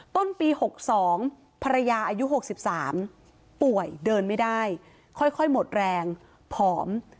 ต้นปี๖๒ภรรยาอายุ๖๓ป่วยเดินไม่ได้ค่อยหมดแรงผอม